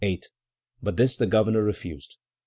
But this the governor refused.